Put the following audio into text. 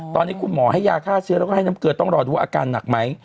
ตอนนี้คุณหมอให้ยาฆ่าเชื้อแล้วก็ให้น้ำเกลือต้องรอดูอาการหนักไหม